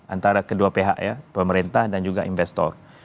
antara kedua pihak ya pemerintah dan juga investor